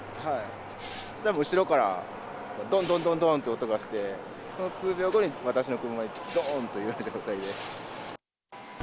そしたら後ろからどんどんどんどんって音がして、その数秒後に、私の車にどーんという状態で。